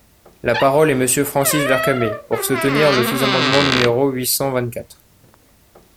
La parole est Monsieur Francis Vercamer, pour soutenir le sous-amendement numéro huit cent vingt-quatre.